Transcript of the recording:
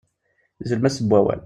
Deg tlemmast n wawal.